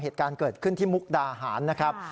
เหตุการณ์เกิดขึ้นที่มุกดาหารนะครับ